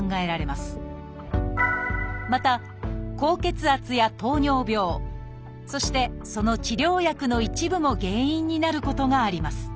また高血圧や糖尿病そしてその治療薬の一部も原因になることがあります。